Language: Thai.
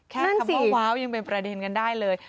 คำว่าว้าวยังเป็นประเด็นกันได้เลย